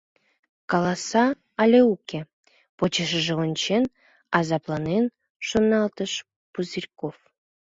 «Каласа але уке?» — почешыже ончен, азапланен шоналтыш Пузырьков.